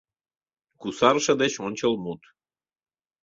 КУСАРЫШЕ ДЕЧ ОНЧЫЛМУТ